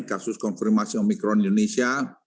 kasus konfirmasi omikron di indonesia